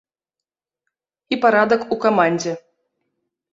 І парадак у камандзе.